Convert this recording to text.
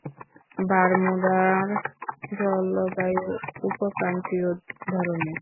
বারমুডার জলবায়ু উপক্রান্তীয় ধরনের।